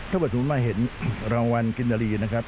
ถ้าเมื่อสมมติมาเห็นรางวัลกินดลีนะครับ